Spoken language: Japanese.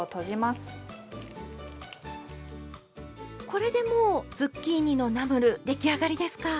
これでもうズッキーニのナムル出来上がりですか？